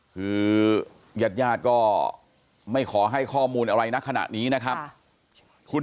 คือญาติก็ไม่ขอให้ข้อมูลอะไรนะขณะนี้นะครับ